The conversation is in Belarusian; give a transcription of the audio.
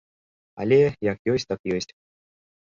Але як ёсць, так ёсць.